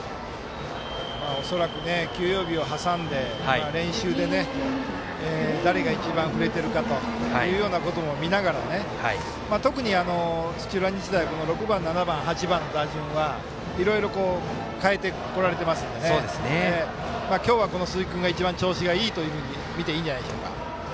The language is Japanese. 恐らく休養日を挟んで練習で誰が一番振れてるかというようなことも見ながら特に土浦日大６番、７番、８番の打順はいろいろ変えてこられていますので今日は、この鈴木君が一番、調子がいいと見ていいんじゃないでしょうか。